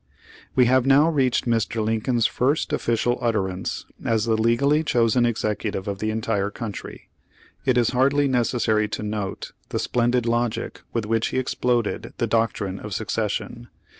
We have now reached Mr. Lincoln's first official utterance as the legally chosen executive of the entire country. It is hardly necessary to note the splendid logic with which he exploded the doctrine of secession.